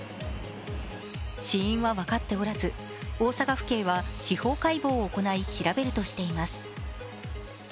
死因は分かっておらず、大阪府警は司法解剖を行い、調べるとしています。